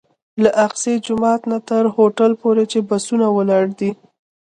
له اقصی جومات نه تر هوټل پورې چې بسونه ولاړ دي.